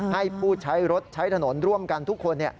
ให้ผู้ใช้รถใช้ถนนร่วมกันทุกคน